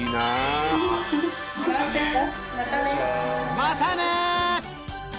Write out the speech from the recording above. またね！